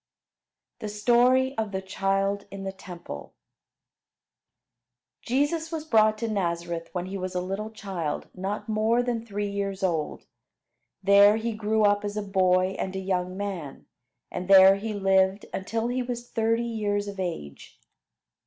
THE STORY OF THE CHILD IN THE TEMPLE Jesus was brought to Nazareth when he was a little child not more than three years old; there he grew up as a boy and a young man, and there he lived until he was thirty years of age.